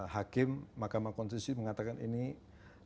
hakim makam konstitusi mengatakan ini harus ditinjau